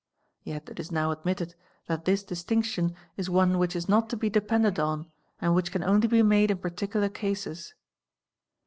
Yet it is now admitted that this distinction is one _ which is not to be depended on and which can only be made in particular ' eases.